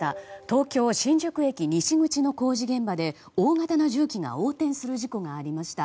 東京・新宿駅西口の工事現場で大型の重機が横転する事故がありました。